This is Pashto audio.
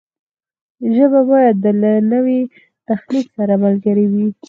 ژبه باید له نوي تخنیک سره ملګرې وي.